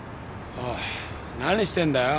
おい何してんだよ？